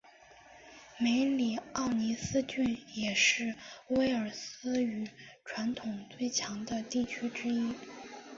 梅里奥尼斯郡也是威尔斯语传统最强的地区之一。